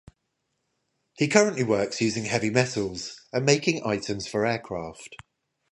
He currently works using heavy metals and making items for aircraft.